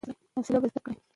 حوصله به زده کړې !